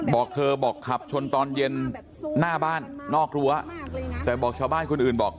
บอกเธอบอกขับชนตอนเย็นหน้าบ้านนอกรั้วแต่บอกชาวบ้านคนอื่นบอก